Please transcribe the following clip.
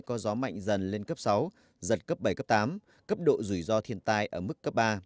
có gió mạnh dần lên cấp sáu giật cấp bảy cấp tám cấp độ rủi ro thiên tai ở mức cấp ba